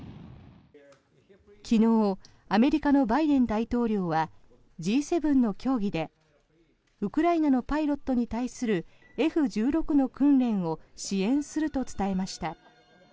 昨日アメリカのバイデン大統領はＧ７の協議でウクライナのパイロットに対するＦ１６の訓練を支援すると伝えました。